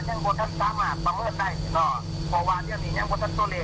อย่างยืดว่าจังไม่จัดที่นี่คนเสียชีวิตหายอันสูงอันแหละอันหลายกว่าสักที